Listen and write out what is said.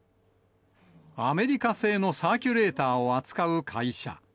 アメリカ製のサーキュレーターを扱う会社。